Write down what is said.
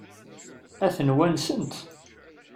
Ad ten-wansent?